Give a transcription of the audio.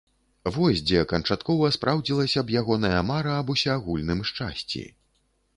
Вось дзе канчаткова спраўдзілася б ягоная мара аб усеагульным шчасці!